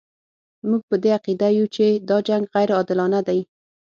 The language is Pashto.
موږ په دې عقیده یو چې دا جنګ غیر عادلانه دی.